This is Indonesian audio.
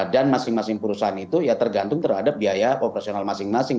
dan masing masing perusahaan itu ya tergantung terhadap biaya operasional masing masing